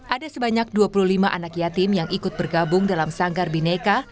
ada sebanyak dua puluh lima anak yatim yang ikut bergabung dalam sanggar bineka